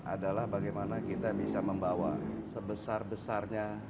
adalah bagaimana kita bisa membawa sebesar besarnya